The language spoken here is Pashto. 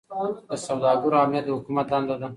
د سوداګرو امنیت د حکومت دنده ده.